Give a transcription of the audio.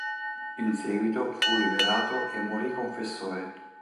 In seguito fu liberato e morì confessore.